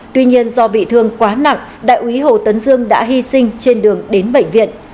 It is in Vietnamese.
tuy nhiên do bị thương quá nặng đại úy hồ tấn dương đã hy sinh trên đường đến bệnh viện